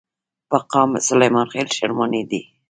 پۀ قام سليمان خيل، شلمانے دے ۔